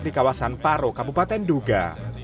di kawasan paro kabupaten duga